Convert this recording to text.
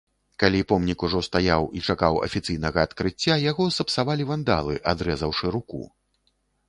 Калі помнік ужо стаяў і чакаў афіцыйнага адкрыцця, яго сапсавалі вандалы, адрэзаўшы руку.